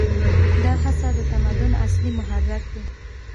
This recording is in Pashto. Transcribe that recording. دا هڅه د تمدن اصلي محرک دی.